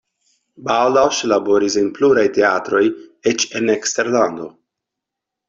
Baldaŭ ŝi laboris en pluraj teatroj eĉ en eksterlando.